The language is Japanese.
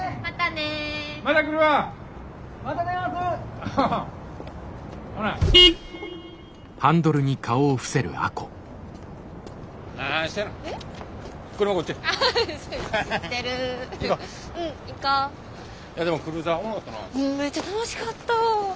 めっちゃ楽しかった。